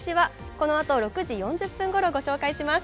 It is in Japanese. このあと６時４０分ごろ、紹介します。